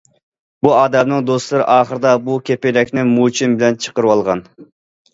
بۇ ئادەمنىڭ دوستلىرى ئاخىرىدا بۇ كېپىنەكنى موچىن بىلەن چىقىرىۋالغان.